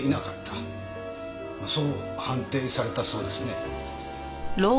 そう判定されたそうですね？